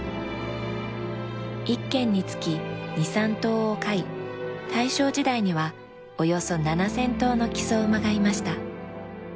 １軒につき２３頭を飼い大正時代にはおよそ７０００頭の木曽馬がいました。